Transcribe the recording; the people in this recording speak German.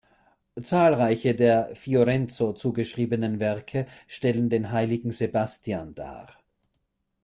Zahlreiche der Fiorenzo zugeschriebenen Werke stellen den Heiligen Sebastian dar.